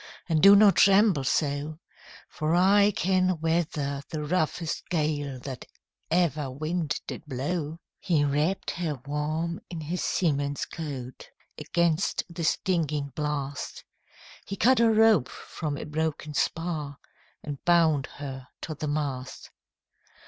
And do not tremble so; For I can weather the roughest gale That ever wind did blow.' He wrapp'd her warm in his seaman's coat Against the stinging blast; He cut a rope from a broken spar, And bound her to the mast.